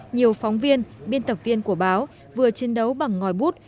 nhiều phóng viên biên tập viên của báo vừa chiến đấu bằng ngòi bút